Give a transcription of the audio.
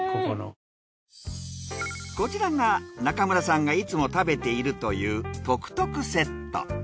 こちらが中村さんがいつも食べているという。